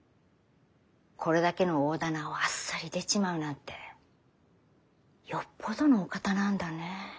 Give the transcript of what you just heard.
これだけの大店をあっさり出ちまうなんてよっぽどのお方なんだね。